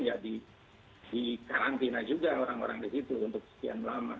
ya di karantina juga orang orang di situ untuk sekian lama